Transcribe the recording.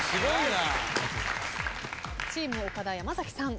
チーム岡田山崎さん。